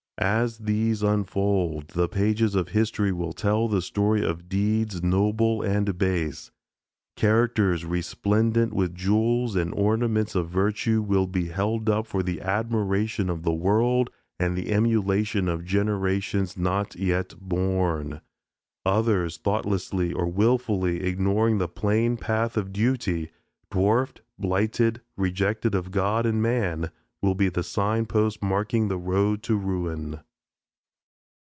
As these unfold, the pages of history will tell the story of deeds noble and base. Characters resplendent with jewels and ornaments of virtue will be held up for the admiration of the world and the emulation of generations not yet born. Others, thoughtlessly or wilfully ignoring the plain path of duty, dwarfed, blighted, rejected of God and man, will be the sign posts marking the road to ruin.